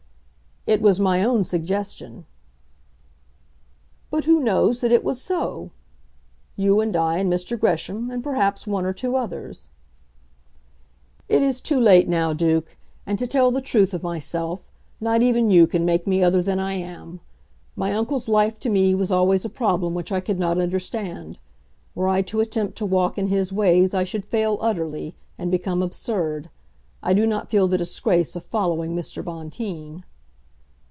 "It was my own suggestion." "But who knows that it was so? You, and I, and Mr. Gresham and perhaps one or two others." "It is too late now, Duke; and, to tell the truth of myself, not even you can make me other than I am. My uncle's life to me was always a problem which I could not understand. Were I to attempt to walk in his ways I should fail utterly, and become absurd. I do not feel the disgrace of following Mr. Bonteen."